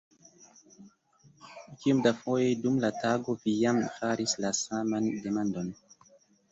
Kiom da fojoj dum la tago vi jam faris la saman demandon?